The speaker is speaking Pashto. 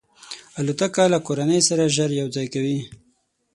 الوتکه له کورنۍ سره ژر یو ځای کوي.